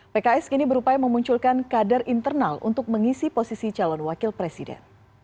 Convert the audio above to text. pks kini berupaya memunculkan kader internal untuk mengisi posisi calon wakil presiden